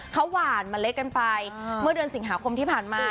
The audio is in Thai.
เขาหวานเมล็ดกันไปเมื่อเดือนสิงหาคมที่ผ่านมา